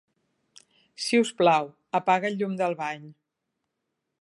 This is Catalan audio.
Si us plau, apaga el llum del bany.